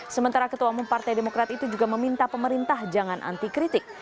sementara ketua umum partai demokrat itu juga meminta pemerintah jangan anti kritik